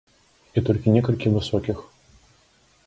І толькі некалькі высокіх.